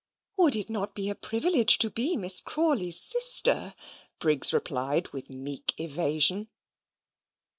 "Would it not be a privilege to be Miss Crawley's sister?" Briggs replied, with meek evasion.